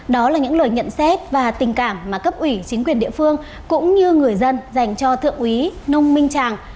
đó là những lời nhận xét và tình cảm mà cấp ủy chính quyền địa phương cũng như người dân dành cho thượng úy nông minh tràng